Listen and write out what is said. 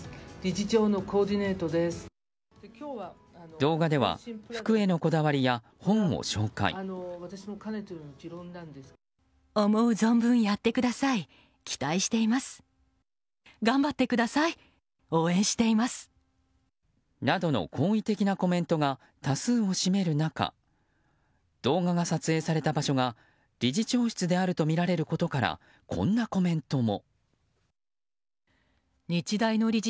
動画では服へのこだわりや本を紹介。などの好意的なコメントが多数を占める中動画が撮影された場所が理事長室であるとみられることからこんなコメントも。